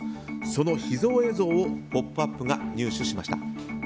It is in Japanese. その秘蔵映像を「ポップＵＰ！」が入手しました。